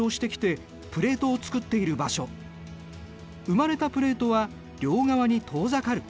生まれたプレートは両側に遠ざかる。